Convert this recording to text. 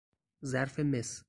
ظرف مس